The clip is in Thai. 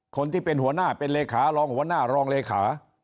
คนที่เป็นหัวหน้าเป็นเลขารองหัวหน้ารองเลขา